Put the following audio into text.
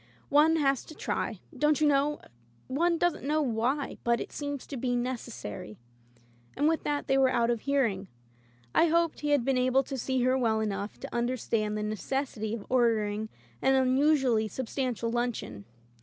One has to try, don't you know ? One doesn't know why — but it seems to be necessary —" and with diat they were out of hearing. I hoped he had been able to see her well enough to under stand the necessity of ordering an unusually substantial luncheon.